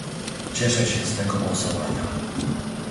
Cieszę się z tego głosowania